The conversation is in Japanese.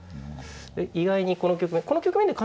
意外にこの局面